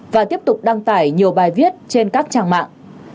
và tiếp tục đăng tải nhiều bài viết trên các trang mạng